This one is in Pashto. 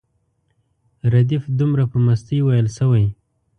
ردیف دومره په مستۍ ویل شوی.